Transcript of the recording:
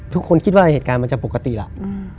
ทุกคนคิดว่าเหตุการณ์มันจะปกติแล้ว